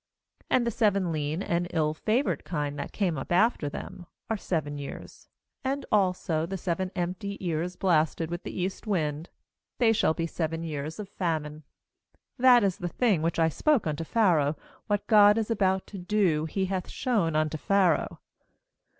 27And the seven lean and ill favoured kine that came up after them are seven years, and also the seven empty ears blasted with the east wind; they shall be seven years of famine. 28That is the thing which I spoke unto Pharaoh what God is about to do He hath shown unto Pharaoh.